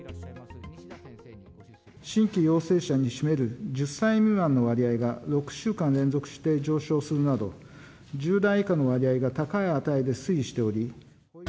新規陽性者に占める１０歳未満の割合が６週間連続して上昇するなど、１０代以下の割合が高い値で推移しており。